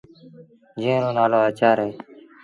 جݩهݩ رو نآلو آچآر اهي۔